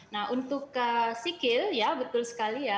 nah untuk sikil ya betul sekali ya